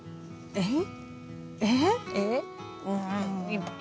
えっ？